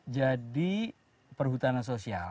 jadi perhutanan sosial